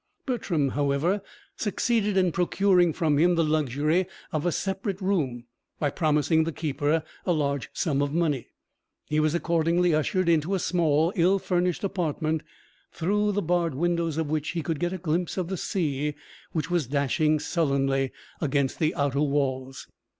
Bertram, however, succeeded in procuring from him the luxury of a separate room by promising the keeper a large sum of money. He was accordingly ushered into a small ill furnished apartment, through the barred windows of which he could get a glimpse of the sea which was dashing sullenly against the outer walls.